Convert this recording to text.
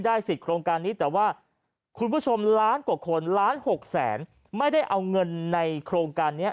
สิทธิ์โครงการนี้แต่ว่าคุณผู้ชมล้านกว่าคนล้านหกแสนไม่ได้เอาเงินในโครงการนี้